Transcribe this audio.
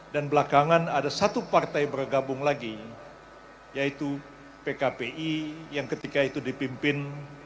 dan belakangan ada satu partai bergabung lagi yaitu pkpi yang ketika itu dipimpin